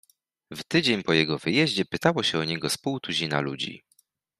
"W tydzień po jego wyjeździe pytało się o niego z pół tuzina ludzi."